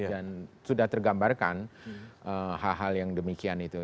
dan sudah tergambarkan hal hal yang demikian itu